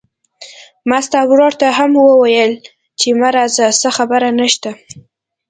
ما ستا ورور ته هم وويل چې ما راځه، څه خبره نشته.